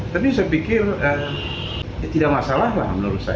tapi saya pikir tidak masalah lah menurut saya